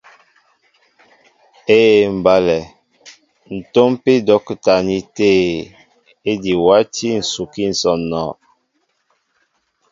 Éē mbálɛ, ǹ tómpí dɔ́kita ní tê ejí e wátí ǹsukí ǹsɔǹɔ.